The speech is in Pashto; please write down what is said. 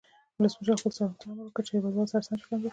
ولسمشر خپلو ساتونکو ته امر وکړ چې د هیواد والو سره سم چلند وکړي.